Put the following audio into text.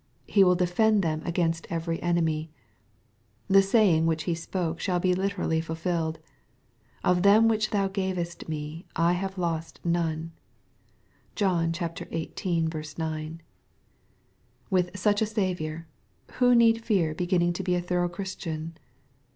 He will defend them against every enemy. The saying which He spoke shall be literally fulfilled :" Of them which thou gavest me have I lost none.'' (John xviii. 9.) With such a Saviour, who need fear beginning to be a thorough Christian